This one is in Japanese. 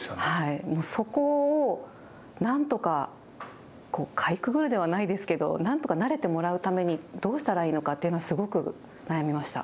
そこをなんとかかいくぐるではないですけどなんとか慣れてもらうためにどうしたらいいのかというのはすごく悩みました。